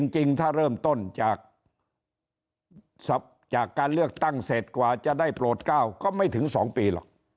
จริงถ้าเริ่มต้นจากการเลือกตั้งเสร็จกว่าจะได้โปรด๙ก็ไม่ถึง๒ปีหรอก